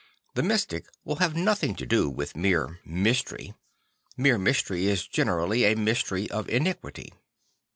The mystic will have nothing to do with mere 86 St. Francis of Assisi mystery; mere mystery is generally a mystery of iniquity.